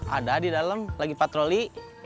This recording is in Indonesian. ada di dalam lagi patroli